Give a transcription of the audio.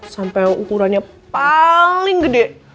sampai ukurannya paling gede